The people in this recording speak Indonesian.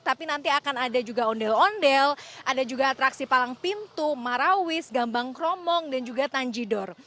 tapi nanti akan ada juga ondel ondel ada juga atraksi palang pintu marawis gambang kromong dan juga tanjidor